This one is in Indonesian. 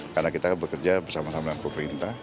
karena kita bekerja bersama sama dengan pemerintah